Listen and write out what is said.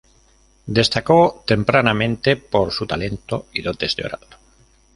Destacó tempranamente por su talento y dotes de orador.